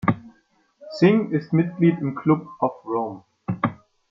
Singh ist Mitglied im Club of Rome.